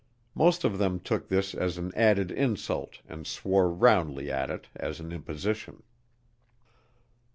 Most of them took this as an added insult and swore roundly at it as an imposition.